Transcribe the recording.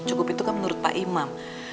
cukup itu kan menurut pak imam